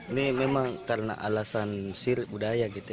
ini memang karena alasan sirik budaya gitu ya